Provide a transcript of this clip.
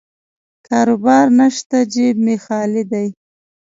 کاروبار نشته، جیب مې خالي دی.